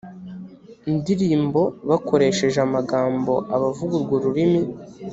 ndirimbo bakoresheje amagambo abavuga urwo rurimi